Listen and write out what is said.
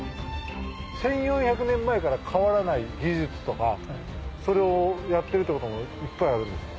１４００年前から変わらない技術とかそれをやってるってこともいっぱいあるんですか？